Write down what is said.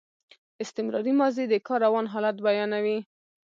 استمراري ماضي د کار روان حالت بیانوي.